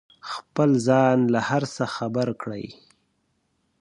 خپل ځان له هر څه خبر کړئ.